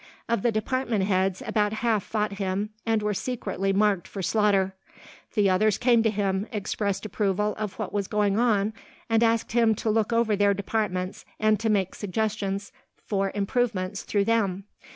Of the department heads, about half fought him and were secretly marked for slaughter; the others came to him, expressed approval of what was going on and asked him to look over their departments and to make suggestions for improvements through them.